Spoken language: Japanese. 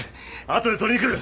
後で取りに来る。